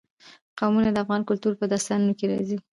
قومونه د افغان کلتور په داستانونو کې راځي.